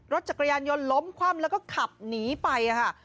รถจักรยานยนต์ล้มคว่ำแล้วก็ขับหนีไปค่ะ